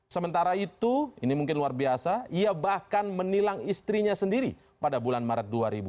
sementara itu ini mungkin luar biasa ia bahkan menilang istrinya sendiri pada bulan maret dua ribu dua puluh